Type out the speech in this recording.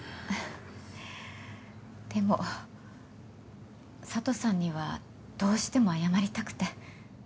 でも佐都さんにはどうしても謝りたくて。